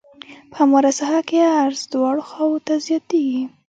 په همواره ساحه کې عرض دواړو خواوو ته زیاتیږي